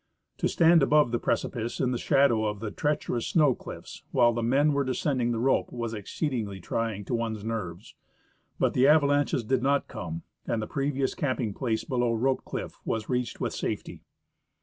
To stand above the precipice in the shadow of the treacherous snow cliffs while the men were descending the rope was exceedingly trying to one's" nerves ; but the avalanches did not come, and the previous camping place below Rope cliff was reached with safety.